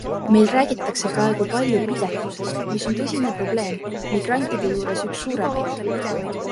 Meil räägitakse praegu palju pidetusest, mis on tõsine probleem, migrantide juures üks suuremaid.